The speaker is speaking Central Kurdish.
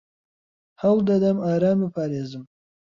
ھەوڵ دەدەم ئاران بپارێزم.